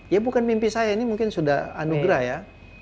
ya bukan mimpi saya ini mungkin sudah anugerah ya